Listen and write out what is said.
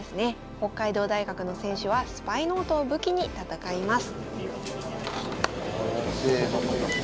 北海道大学の選手はスパイノートを武器に戦います。